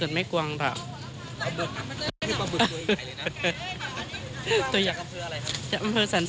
มีมันมีครับมะขามมีปลาภึกอะปลาภึกมาจากเกิดไม่กวงต่อ